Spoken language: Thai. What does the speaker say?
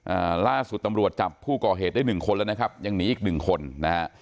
อ่าล่าสุดตำรวจจับผู้ก่อเหตุได้หนึ่งคนแล้วนะครับยังหนีอีกหนึ่งคนนะฮะ